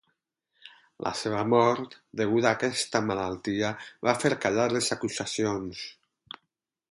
La seva mort, deguda a aquesta malaltia, va fer callar les acusacions.